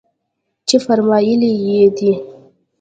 چې فرمايلي يې دي.